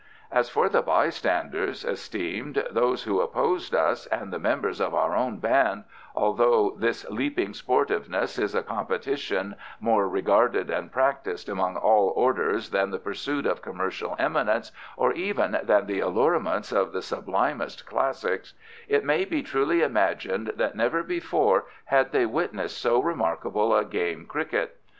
As for the bystanders, esteemed, those who opposed us, and the members of our own band, although this leaping sportiveness is a competition more regarded and practised among all orders than the pursuit of commercial eminence, or even than the allurements of the sublimest Classics, it may be truly imagined that never before had they witnessed so remarkable a game cricket.